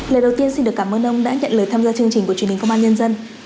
lời đầu tiên xin được cảm ơn ông đã nhận lời tham gia chương trình của truyền hình công an nhân dân